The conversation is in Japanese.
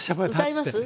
歌います？